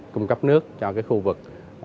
cung cấp nước cho cái khu vực